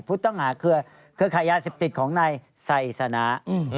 ผู้ต้องหาเครือขายยาเสพติดของนายไซสนะ